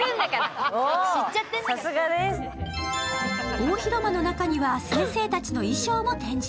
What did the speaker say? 大広間の中には先生たちの衣装も展示。